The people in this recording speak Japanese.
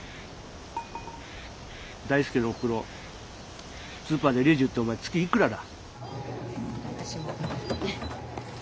大輔のおふくろスーパーでレジ打ってお前月いくらだ？